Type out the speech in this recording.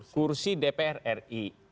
kursi dpr ri